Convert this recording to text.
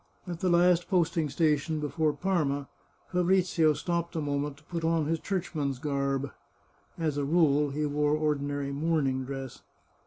At the last posting station before Parma, Fa brizio stopped a moment to put on his churchman's garb. As a rule he wore ordinary mourning dress.